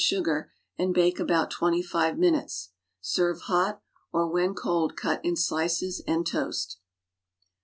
sugar and bake about twenty five minutes. Serve hot, or when cold cut in slices and toast.